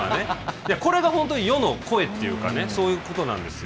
これが本当に世の声というかそういうことなんですよ。